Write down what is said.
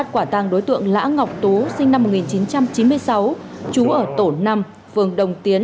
quả tàng đối tượng lã ngọc tú sinh năm một nghìn chín trăm chín mươi sáu trú ở tổ năm phường đồng tiến